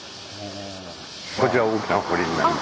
こちら大きな堀になります。